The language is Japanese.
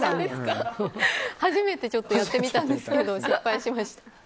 初めてやってみたんですけど失敗しました。